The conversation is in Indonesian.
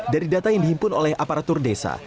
dari data yang dihimpun oleh aparatur desa